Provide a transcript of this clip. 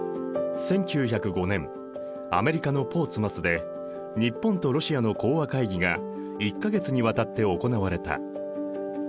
１９０５年アメリカのポーツマスで日本とロシアの講和会議が１か月にわたって行われた。